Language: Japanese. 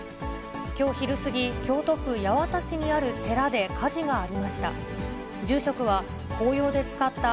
きょう昼過ぎ、京都府八幡市にある寺で火事がありました。